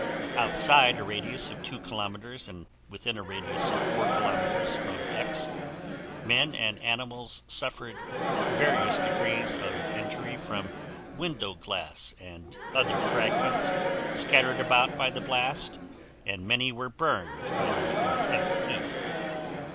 "Outside a radius of 2 kilometers and within a radius of 4 kilometers from X, men and animals suffered various degrees of injury from window glass and other fragments scattered about by the blast and many were burned by the intense heat.